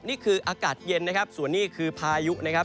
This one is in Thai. นี่คืออากาศเย็นนะครับส่วนนี้คือพายุนะครับ